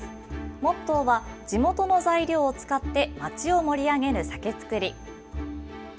モットーは地元の材料を使って町を盛り上げる酒造り。